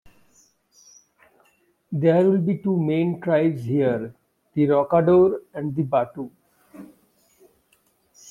There will be two main tribes here: The Rokador and the Batu.